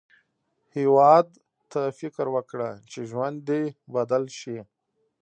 هیواد ته فکر وکړه، چې ژوند دې بدل شي